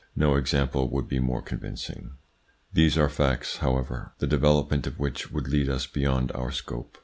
No example would be more convincing. These are facts, however, the development of which would lead us beyond our scope.